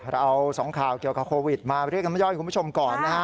เราเอา๒ข่าวเกี่ยวกับโควิดมาเรียกกันใหม่ย่อยกับคุณผู้ชมก่อน